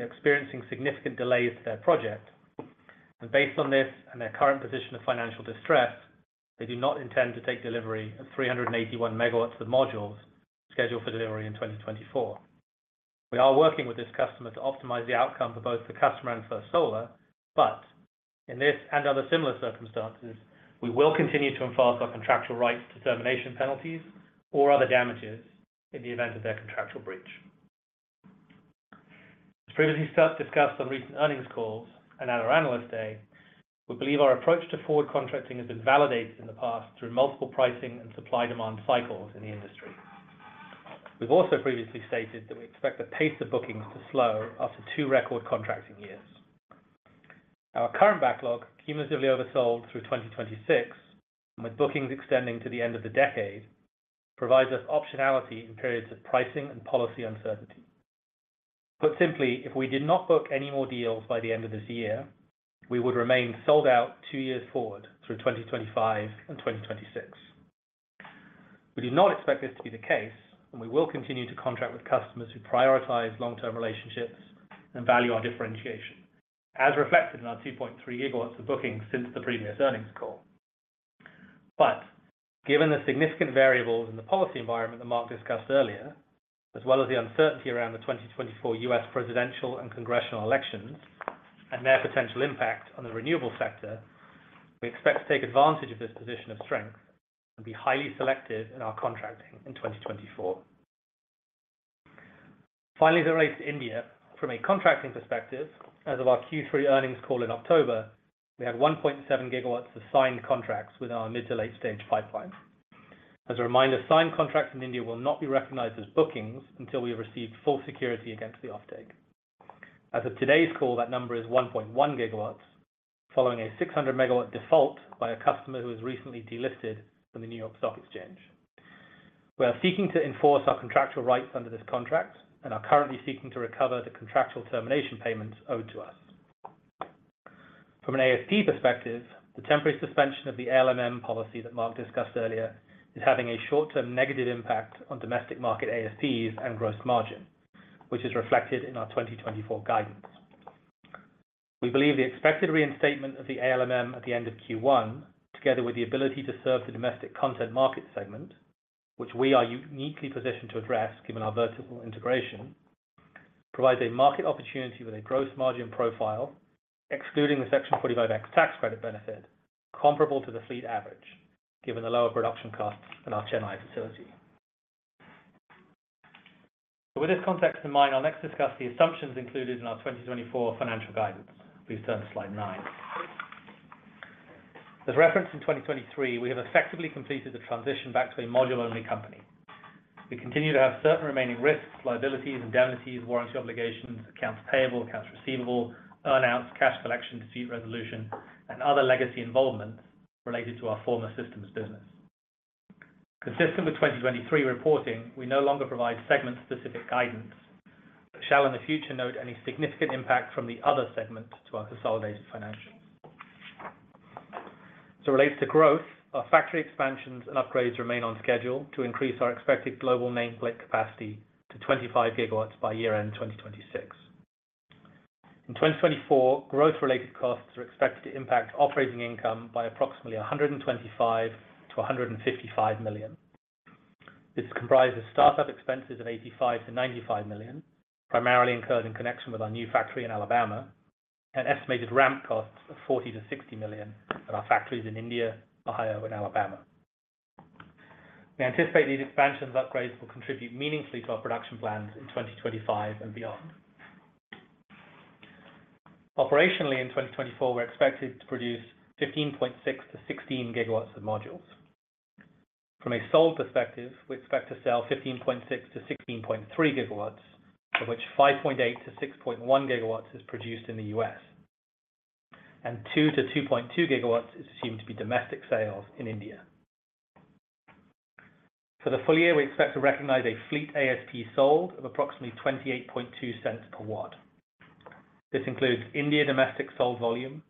Speaker 4: experiencing significant delays to their project. Based on this and their current position of financial distress, they do not intend to take delivery of 381 megawatts of modules scheduled for delivery in 2024. We are working with this customer to optimize the outcome for both the customer and First Solar, but in this and other similar circumstances, we will continue to enforce our contractual rights to termination penalties or other damages in the event of their contractual breach. As previously discussed on recent earnings calls and at our analyst day, we believe our approach to forward contracting has been validated in the past through multiple pricing and supply-demand cycles in the industry. We've also previously stated that we expect the pace of bookings to slow after two record contracting years. Our current backlog, cumulatively oversold through 2026 and with bookings extending to the end of the decade, provides us optionality in periods of pricing and policy uncertainty. Put simply, if we did not book any more deals by the end of this year, we would remain sold out two years forward through 2025 and 2026. We do not expect this to be the case, and we will continue to contract with customers who prioritize long-term relationships and value our differentiation, as reflected in our 2.3 GW of bookings since the previous earnings call. But given the significant variables in the policy environment that Mark discussed earlier, as well as the uncertainty around the 2024 U.S. presidential and congressional elections and their potential impact on the renewable sector, we expect to take advantage of this position of strength and be highly selective in our contracting in 2024. Finally, as it relates to India, from a contracting perspective, as of our Q3 earnings call in October, we had 1.7 GW of signed contracts within our mid- to late-stage pipeline. As a reminder, signed contracts in India will not be recognized as bookings until we have received full security against the offtake. As of today's call, that number is 1.1 GW, following a 600-megawatt default by a customer who has recently delisted from the New York Stock Exchange. We are seeking to enforce our contractual rights under this contract and are currently seeking to recover the contractual termination payments owed to us. From an ASP perspective, the temporary suspension of the ALMM policy that Mark discussed earlier is having a short-term negative impact on domestic market ASPs and gross margin, which is reflected in our 2024 guidance. We believe the expected reinstatement of the ALMM at the end of Q1, together with the ability to serve the domestic content market segment, which we are uniquely positioned to address given our vertical integration, provides a market opportunity with a gross margin profile excluding the Section 45X tax credit benefit comparable to the fleet average given the lower production costs in our Chennai facility. With this context in mind, I'll next discuss the assumptions included in our 2024 financial guidance. Please turn to slide 9. As referenced in 2023, we have effectively completed the transition back to a module-only company. We continue to have certain remaining risks, liabilities, indemnities, warranty obligations, accounts payable, accounts receivable, earnouts, cash collection, dispute resolution, and other legacy involvements related to our former systems business. Consistent with 2023 reporting, we no longer provide segment-specific guidance but shall in the future note any significant impact from the other segment to our consolidated financials. As it relates to growth, our factory expansions and upgrades remain on schedule to increase our expected global nameplate capacity to 25 GW by year-end 2026. In 2024, growth-related costs are expected to impact operating income by approximately $125 million-$155 million. This comprises startup expenses of $85 million-$95 million, primarily incurred in connection with our new factory in Alabama, and estimated ramp costs of $40 million-$60 million at our factories in India, Ohio, and Alabama. We anticipate these expansions and upgrades will contribute meaningfully to our production plans in 2025 and beyond. Operationally, in 2024, we're expected to produce 15.6-16 GW of modules. From a sold perspective, we expect to sell 15.6-16.3 GW, of which 5.8-6.1 GW is produced in the U.S., and 2-2.2 GW is assumed to be domestic sales in India. For the full year, we expect to recognize a fleet ASP sold of approximately $0.282 per watt. This includes India domestic sold volume,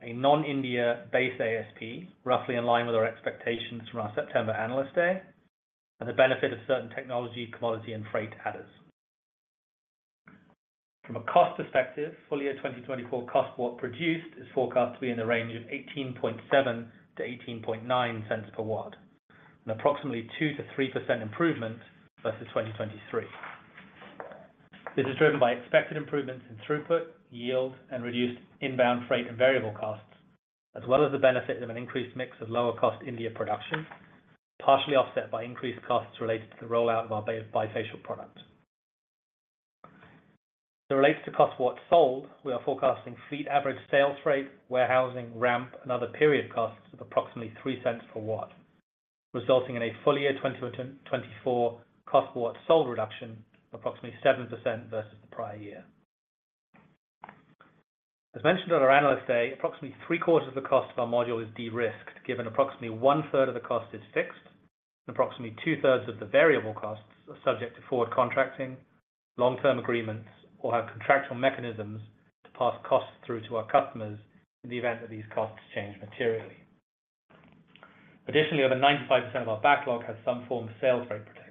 Speaker 4: a non-India base ASP roughly in line with our expectations from our September analyst day, and the benefit of certain technology, commodity, and freight adders. From a cost perspective, full year 2024 cost what produced is forecast to be in the range of $0.187-$0.189 per watt, an approximately 2%-3% improvement versus 2023. This is driven by expected improvements in throughput, yield, and reduced inbound freight and variable costs, as well as the benefit of an increased mix of lower-cost India production, partially offset by increased costs related to the rollout of our bifacial product. As it relates to cost of goods sold, we are forecasting fleet average sales freight, warehousing, ramp, and other period costs of approximately $0.03 per watt, resulting in a full year 2024 cost of goods sold reduction of approximately 7% versus the prior year. As mentioned on our analyst day, approximately three-quarters of the cost of our module is de-risked given approximately one-third of the cost is fixed, and approximately two-thirds of the variable costs are subject to forward contracting, long-term agreements, or have contractual mechanisms to pass costs through to our customers in the event that these costs change materially. Additionally, over 95% of our backlog has some form of sales freight protection,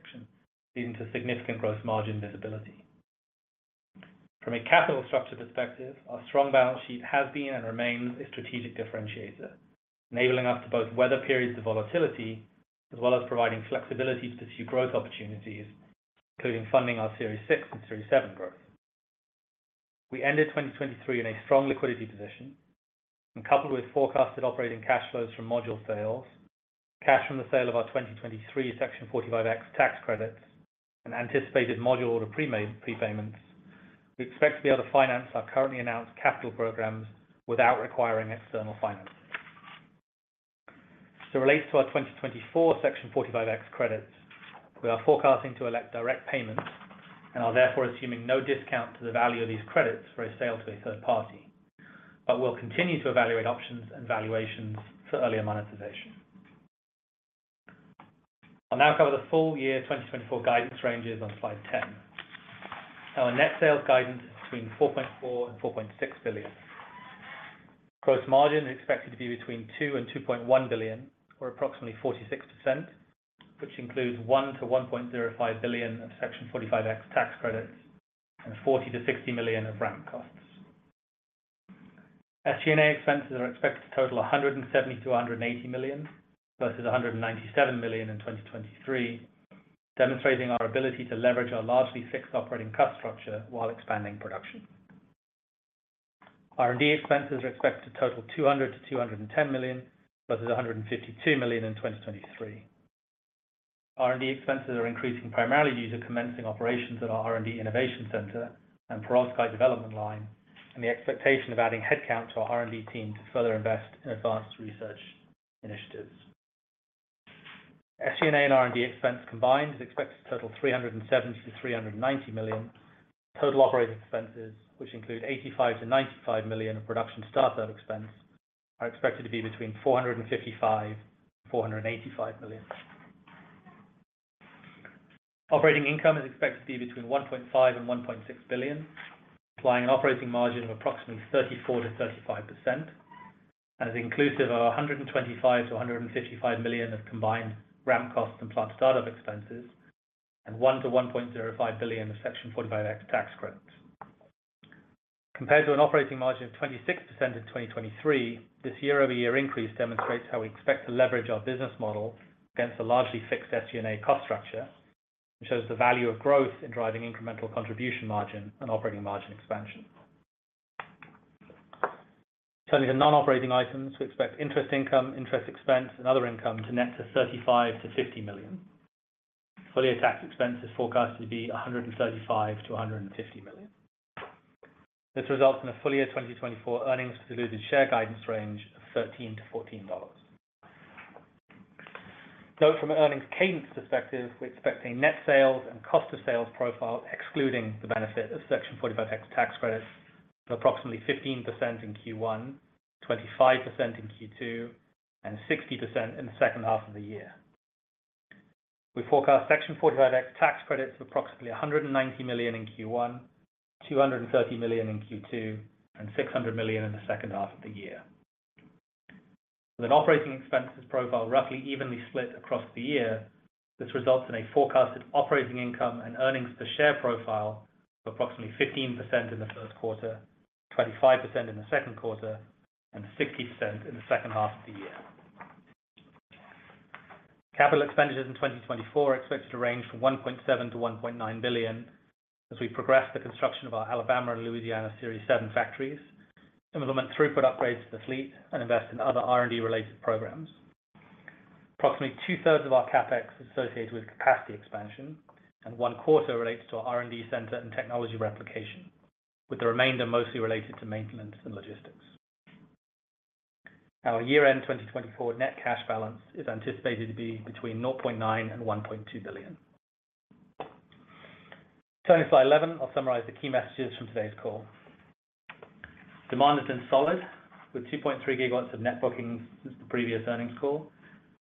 Speaker 4: leading to significant gross margin visibility. From a capital structure perspective, our strong balance sheet has been and remains a strategic differentiator, enabling us to both weather periods of volatility as well as providing flexibility to pursue growth opportunities, including funding our Series 6 and Series 7 growth. We ended 2023 in a strong liquidity position, and coupled with forecasted operating cash flows from module sales, cash from the sale of our 2023 Section 45X tax credits, and anticipated module order prepayments, we expect to be able to finance our currently announced capital programs without requiring external financing. As it relates to our 2024 Section 45X credits, we are forecasting to elect direct payment and are therefore assuming no discount to the value of these credits for a sale to a third party, but will continue to evaluate options and valuations for earlier monetization. I'll now cover the full year 2024 guidance ranges on slide 10. Our net sales guidance is between $4.4 billion-$4.6 billion. Gross margin is expected to be between $2 billion-$2.1 billion, or approximately 46%, which includes $1 billion-$1.05 billion of Section 45X tax credits and $40 million-$60 million of ramp costs. SG&A expenses are expected to total $170 million-$180 million versus $197 million in 2023, demonstrating our ability to leverage our largely fixed operating cost structure while expanding production. R&D expenses are expected to total $200 million-$210 million versus $152 million in 2023. R&D expenses are increasing primarily due to commencing operations at our R&D Innovation Center and Perovskite Development Line and the expectation of adding headcount to our R&D team to further invest in advanced research initiatives. SG&A and R&D expense combined is expected to total $370-$390 million. Total operating expenses, which include $85-$95 million of production startup expense, are expected to be between $455-$485 million. Operating income is expected to be between $1.5-$1.6 billion, applying an operating margin of approximately 34%-35%, and is inclusive of $125-$155 million of combined ramp costs and plant startup expenses and $1-$1.05 billion of Section 45X tax credits. Compared to an operating margin of 26% in 2023, this year-over-year increase demonstrates how we expect to leverage our business model against a largely fixed SG&A cost structure and shows the value of growth in driving incremental contribution margin and operating margin expansion. Turning to non-operating items, we expect interest income, interest expense, and other income to net to $35 million-$50 million. Full year tax expense is forecast to be $135 million-$150 million. This results in a full year 2024 earnings-to-diluted share guidance range of $13-$14. Note from an earnings cadence perspective, we expect a net sales and cost of sales profile excluding the benefit of Section 45X tax credits of approximately 15% in Q1, 25% in Q2, and 60% in the second half of the year. We forecast Section 45X tax credits of approximately $190 million in Q1, $230 million in Q2, and $600 million in the second half of the year. With an operating expenses profile roughly evenly split across the year, this results in a forecasted operating income and earnings per share profile of approximately 15% in the Q1, 25% in the Q2, and 60% in the second half of the year. Capital expenditures in 2024 are expected to range from $1.7-$1.9 billion as we progress the construction of our Alabama and Louisiana Series 7 factories, implement throughput upgrades to the fleet, and invest in other R&D-related programs. Approximately two-thirds of our CapEx is associated with capacity expansion, and one-quarter relates to our R&D center and technology replication, with the remainder mostly related to maintenance and logistics. Our year-end 2024 net cash balance is anticipated to be between $0.9 billion and $1.2 billion. Turning to slide 11, I'll summarize the key messages from today's call. Demand has been solid with 2.3 GW of net bookings since the previous earnings call,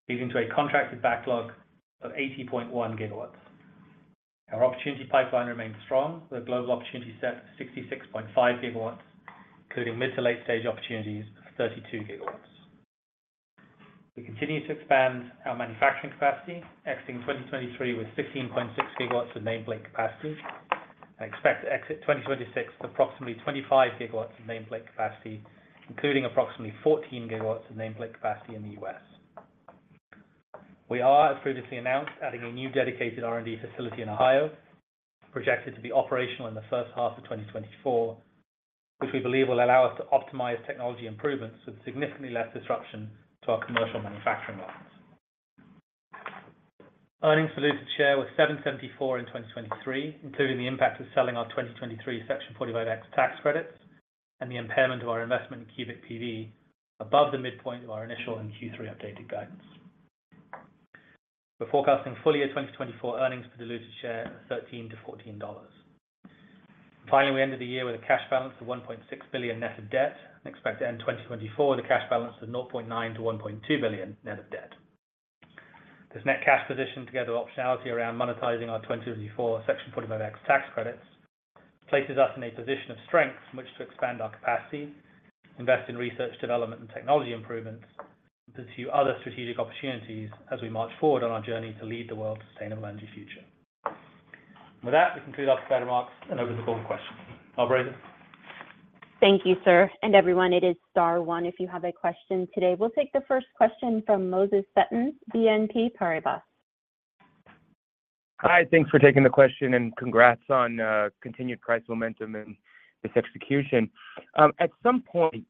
Speaker 4: leading to a contracted backlog of 80.1 GW. Our opportunity pipeline remains strong with a global opportunity set of 66.5 GW, including mid to late-stage opportunities of 32 GW. We continue to expand our manufacturing capacity, exiting 2023 with 16.6 GW of nameplate capacity, and expect to exit 2026 with approximately 25 GW of nameplate capacity, including approximately 14 GW of nameplate capacity in the U.S. We are, as previously announced, adding a new dedicated R&D facility in Ohio, projected to be operational in the first half of 2024, which we believe will allow us to optimize technology improvements with significantly less disruption to our commercial manufacturing lines. diluted share was $774 in 2023, including the impact of selling our 2023 Section 45X tax credits and the impairment of our investment in CubicPV above the midpoint of our initial and Q3 updated guidance. We're forecasting full year 2024 earnings per diluted share of $13-$14. Finally, we ended the year with a cash balance of $1.6 billion net of debt and expect to end 2024 with a cash balance of $0.9 billion-$1.2 billion net of debt. This net cash position, together with optionality around monetizing our 2024 Section 45X tax credits, places us in a position of strength in which to expand our capacity, invest in research, development, and technology improvements, and pursue other strategic opportunities as we march forward on our journey to lead the world's sustainable energy future. With that, we conclude our prepared remarks and open the floor for questions. Barbara Aiden.
Speaker 1: Thank you, sir. Everyone, it is star one if you have a question today. We'll take the first question from Moses Sutton, BNP Paribas. Hi. Thanks for taking the question, and congrats on continued price momentum and this execution. At some point,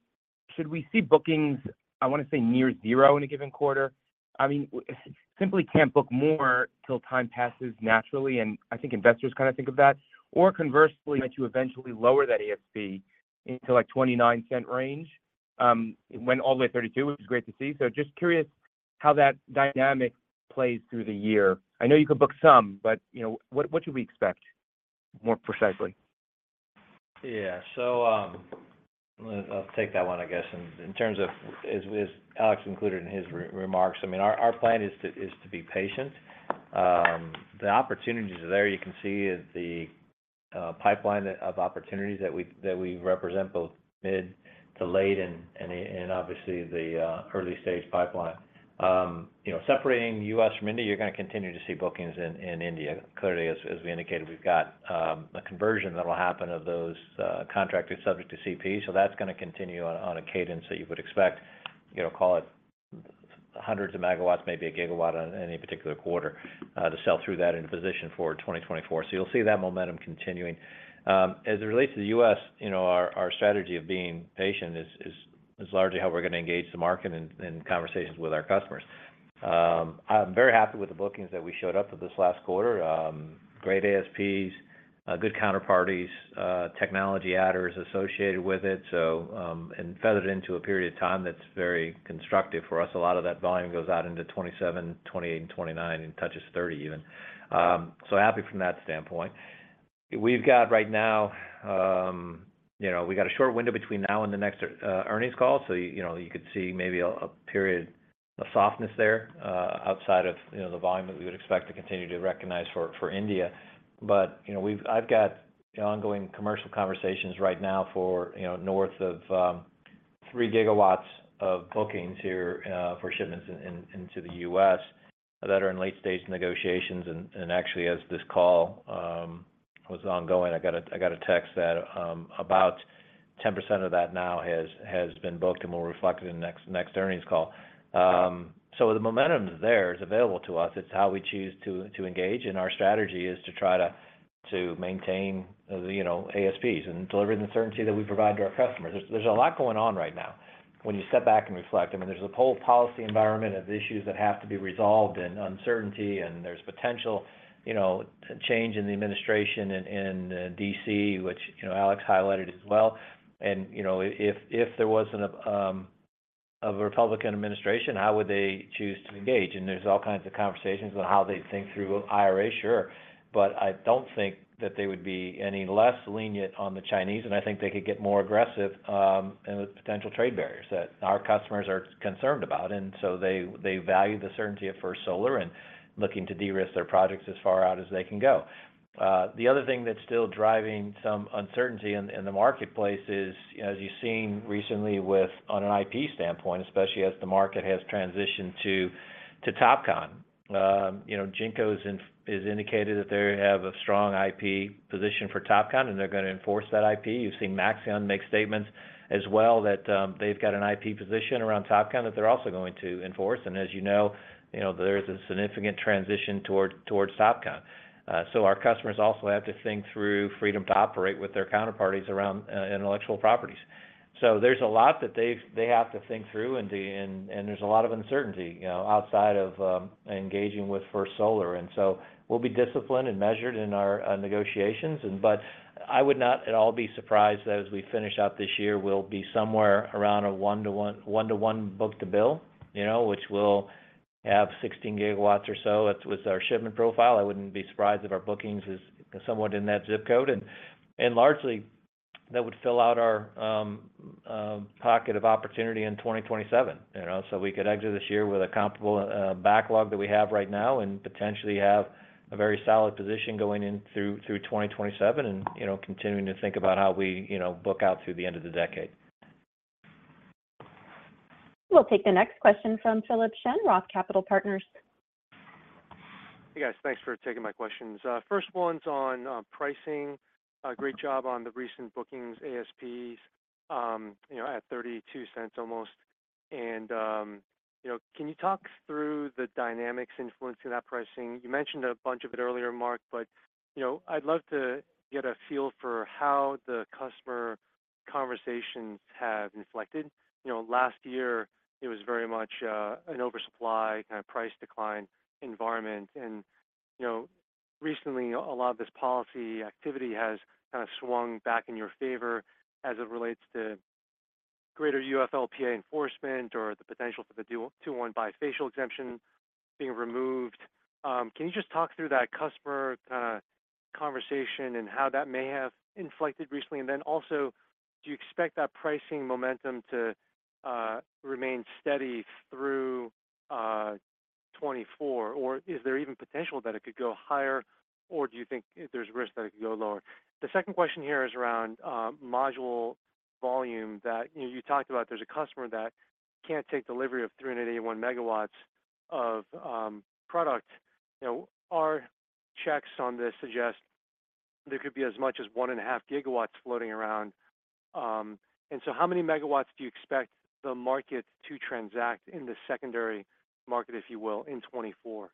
Speaker 1: should we see bookings, I want to say, near zero in a given quarter? I mean, simply can't book more till time passes naturally, and I think investors kind of think of that. Or conversely, might you eventually lower that ASP into like $0.29 range? It went all the way $0.32, which is great to see. So just curious how that dynamic plays through the year. I know you could book some, but what should we expect more precisely?
Speaker 3: Yeah. So I'll take that one, I guess. In terms of, as Alex included in his remarks, I mean, our plan is to be patient. The opportunities are there. You can see the pipeline of opportunities that we represent, both mid- to late- and obviously the early-stage pipeline. Separating U.S. from India, you're going to continue to see bookings in India. Clearly, as we indicated, we've got a conversion that'll happen of those contractors subject to CP, so that's going to continue on a cadence that you would expect. Call it hundreds of megawatts, maybe 1 gigawatt in any particular quarter, to sell through that into position for 2024. So you'll see that momentum continuing. As it relates to the U.S., our strategy of being patient is largely how we're going to engage the market in conversations with our customers. I'm very happy with the bookings that we showed up for this last quarter. Great ASPs, good counterparties, technology adders associated with it, and feathered into a period of time that's very constructive for us. A lot of that volume goes out into 2027, 2028, and 2029, and touches 2030 even. Happy from that standpoint. We've got right now a short window between now and the next earnings call, so you could see maybe a period of softness there outside of the volume that we would expect to continue to recognize for India. I've got ongoing commercial conversations right now for north of 3 GW of bookings here for shipments into the U.S. that are in late-stage negotiations. Actually, as this call was ongoing, I got a text that about 10% of that now has been booked and will reflect it in the next earnings call. The momentum is there. It's available to us. It's how we choose to engage. And our strategy is to try to maintain the ASPs and deliver the certainty that we provide to our customers. There's a lot going on right now. When you step back and reflect, I mean, there's a whole policy environment of issues that have to be resolved in uncertainty, and there's potential change in the administration in D.C., which Alex highlighted as well. And if there wasn't a Republican administration, how would they choose to engage? And there's all kinds of conversations on how they'd think through IRA, sure. But I don't think that they would be any less lenient on the Chinese, and I think they could get more aggressive and with potential trade barriers that our customers are concerned about. And so they value the certainty of First Solar and looking to de-risk their projects as far out as they can go. The other thing that's still driving some uncertainty in the marketplace is, as you've seen recently on an IP standpoint, especially as the market has transitioned to TOPCon. Jinko has indicated that they have a strong IP position for TOPCon, and they're going to enforce that IP. You've seen Maxeon make statements as well that they've got an IP position around TOPCon that they're also going to enforce. And as you know, there's a significant transition towards TOPCon. So our customers also have to think through freedom to operate with their counterparties around intellectual properties. So there's a lot that they have to think through, and there's a lot of uncertainty outside of engaging with First Solar. And so we'll be disciplined and measured in our negotiations. But I would not at all be surprised that as we finish out this year, we'll be somewhere around a 1-to-1 book-to-bill, which will have 16 GW or so with our shipment profile. I wouldn't be surprised if our bookings are somewhat in that zip code. And largely, that would fill out our pocket of opportunity in 2027. So we could exit this year with a comparable backlog that we have right now and potentially have a very solid position going in through 2027 and continuing to think about how we book out through the end of the decade.
Speaker 1: We'll take the next question from Philip Shen, Roth Capital Partners.
Speaker 5: Hey, guys. Thanks for taking my questions. First one's on pricing. Great job on the recent bookings, ASPs, at $0.32 almost. And can you talk through the dynamics influencing that pricing? You mentioned a bunch of it earlier, Mark, but I'd love to get a feel for how the customer conversations have inflected. Last year, it was very much an oversupply kind of price decline environment. Recently, a lot of this policy activity has kind of swung back in your favor as it relates to greater UFLPA enforcement or the potential for the 2.1 bifacial exemption being removed. Can you just talk through that customer kind of conversation and how that may have inflected recently? And then also, do you expect that pricing momentum to remain steady through 2024, or is there even potential that it could go higher, or do you think there's risk that it could go lower? The second question here is around module volume that you talked about. There's a customer that can't take delivery of 381 MW of product. Our checks on this suggest there could be as much as 1.5 GW floating around. And so how many megawatts do you expect the market to transact in the secondary market, if you will, in 2024?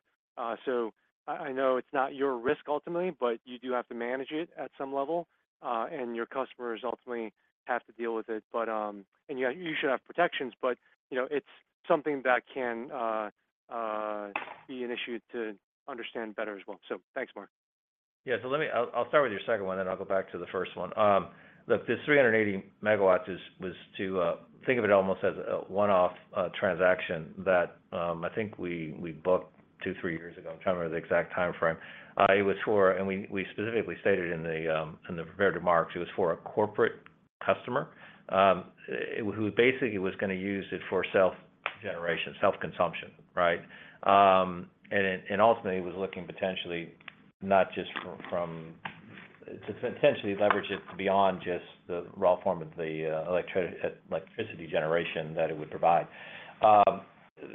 Speaker 5: So I know it's not your risk ultimately, but you do have to manage it at some level, and your customers ultimately have to deal with it. And you should have protections, but it's something that can be an issue to understand better as well. So thanks, Mark.
Speaker 3: Yeah. So I'll start with your second one, then I'll go back to the first one. Look, this 380 megawatts was to think of it almost as a one-off transaction that I think we booked two, three years ago. I'm trying to remember the exact time frame. It was for, and we specifically stated in the prepared remarks, it was for a corporate customer who basically was going to use it for self-generation, self-consumption, right? And ultimately, it was looking potentially not just from to potentially leverage it beyond just the raw form of the electricity generation that it would provide.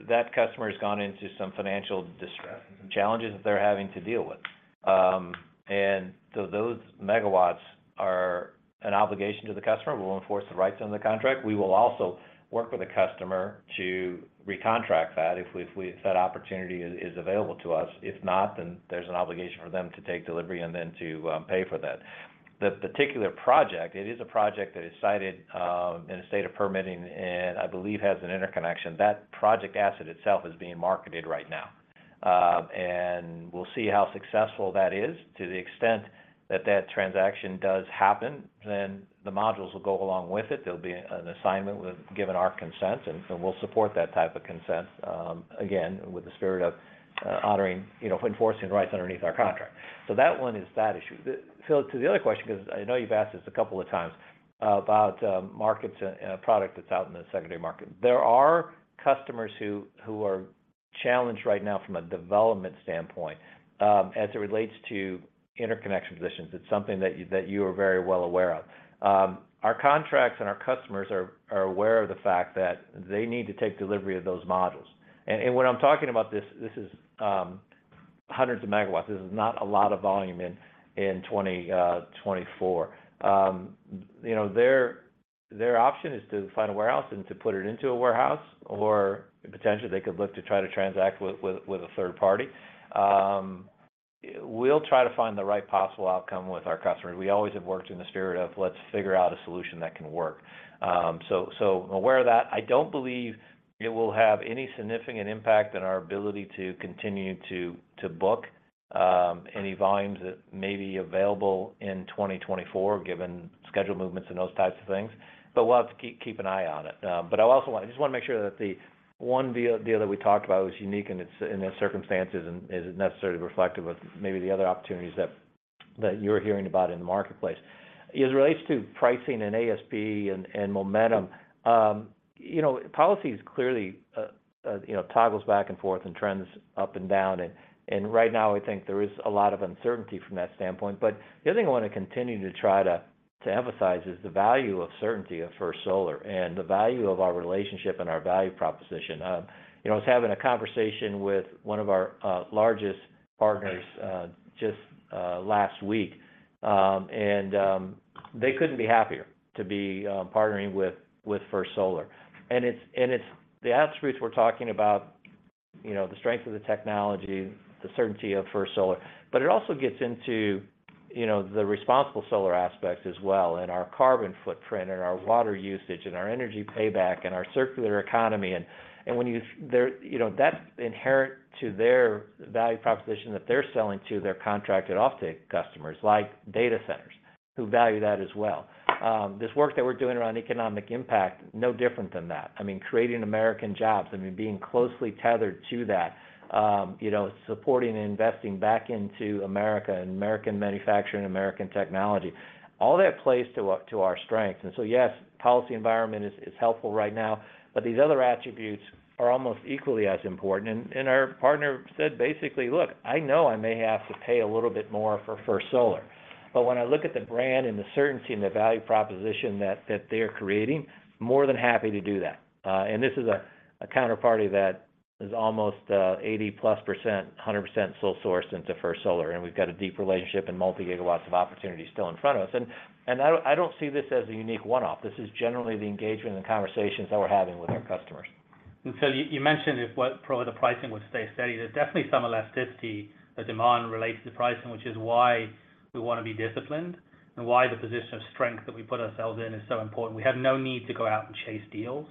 Speaker 3: That customer has gone into some financial distress and some challenges that they're having to deal with. And so those megawatts are an obligation to the customer. We'll enforce the rights under the contract. We will also work with the customer to recontract that if that opportunity is available to us. If not, then there's an obligation for them to take delivery and then to pay for that. The particular project, it is a project that is sited in a state of permitting and I believe has an interconnection. That project asset itself is being marketed right now. We'll see how successful that is. To the extent that that transaction does happen, then the modules will go along with it. There'll be an assignment given our consent, and we'll support that type of consent, again, with the spirit of honoring enforcing rights underneath our contract. That one is that issue. To the other question, because I know you've asked this a couple of times, about markets and product that's out in the secondary market, there are customers who are challenged right now from a development standpoint as it relates to interconnection positions. It's something that you are very well aware of. Our contracts and our customers are aware of the fact that they need to take delivery of those modules. When I'm talking about this, this is hundreds of megawatts. This is not a lot of volume in 2024. Their option is to find a warehouse and to put it into a warehouse, or potentially, they could look to try to transact with a third party. We'll try to find the right possible outcome with our customers. We always have worked in the spirit of, "Let's figure out a solution that can work." So aware of that. I don't believe it will have any significant impact on our ability to continue to book any volumes that may be available in 2024 given schedule movements and those types of things. But we'll have to keep an eye on it. But I just want to make sure that the one deal that we talked about was unique in its circumstances and isn't necessarily reflective of maybe the other opportunities that you're hearing about in the marketplace. As it relates to pricing and ASP and momentum, policy clearly toggles back and forth and trends up and down. And right now, I think there is a lot of uncertainty from that standpoint. But the other thing I want to continue to try to emphasize is the value of certainty of First Solar and the value of our relationship and our value proposition. I was having a conversation with one of our largest partners just last week, and they couldn't be happier to be partnering with First Solar. And the attributes we're talking about, the strength of the technology, the certainty of First Solar, but it also gets into the responsible solar aspects as well and our carbon footprint and our water usage and our energy payback and our circular economy. And when you, that's inherent to their value proposition that they're selling to their contracted offtake customers like data centers who value that as well. This work that we're doing around economic impact, no different than that. I mean, creating American jobs, I mean, being closely tethered to that, supporting and investing back into America and American manufacturing and American technology, all that plays to our strengths. And so yes, policy environment is helpful right now, but these other attributes are almost equally as important. And our partner said basically, "Look, I know I may have to pay a little bit more for First Solar. But when I look at the brand and the certainty and the value proposition that they're creating, more than happy to do that." And this is a counterparty that is almost 80+%, 100% sole sourced into First Solar. We've got a deep relationship and multi-gigawatts of opportunity still in front of us. I don't see this as a unique one-off. This is generally the engagement and the conversations that we're having with our customers.
Speaker 5: So you mentioned if the pricing would stay steady, there's definitely some elasticity, a demand related to pricing, which is why we want to be disciplined and why the position of strength that we put ourselves in is so important. We have no need to go out and chase deals.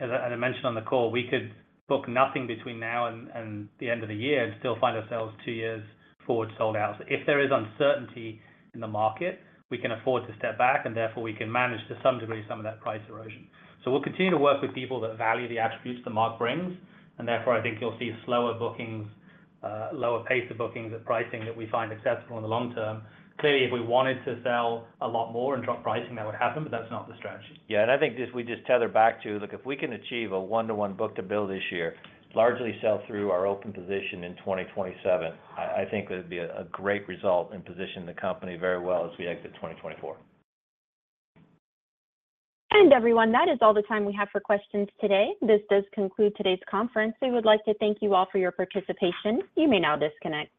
Speaker 5: As I mentioned on the call, we could book nothing between now and the end of the year and still find ourselves two years forward sold out. If there is uncertainty in the market, we can afford to step back, and therefore, we can manage to some degree some of that price erosion. So we'll continue to work with people that value the attributes the market brings. And therefore, I think you'll see slower bookings, lower pace of bookings at pricing that we find acceptable in the long term. Clearly, if we wanted to sell a lot more and drop pricing, that would happen, but that's not the strategy.
Speaker 3: Yeah. And I think if we just tether back to, "Look, if we can achieve a 1-to-1 book-to-bill this year, largely sell through our open position in 2027," I think it would be a great result and position the company very well as we exit 2024.
Speaker 1: And everyone, that is all the time we have for questions today. This does conclude today's conference. We would like to thank you all for your participation. You may now disconnect.